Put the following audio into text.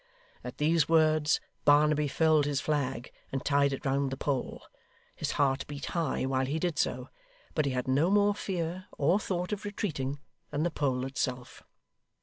At these words, Barnaby furled his flag, and tied it round the pole. His heart beat high while he did so, but he had no more fear or thought of retreating than the pole itself.